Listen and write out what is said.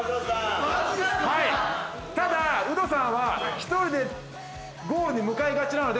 ただウドさんは１人でゴールに向かいがちなので。